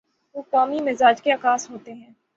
وہ قومی مزاج کے عکاس ہوتے ہیں۔